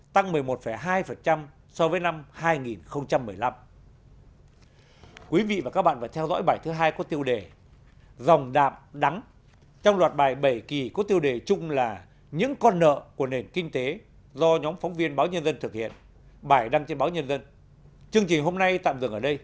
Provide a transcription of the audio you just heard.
tương ứng gần năm mươi bốn triệu đồng một tháng tăng một mươi một hai so với năm hai nghìn một mươi năm